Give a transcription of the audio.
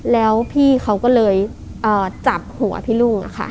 แล้วพี่เขาก็เลยจับหัวพี่ลุง